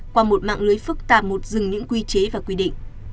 qua một mạng lưới phức tạp một dừng những quy chế và quy định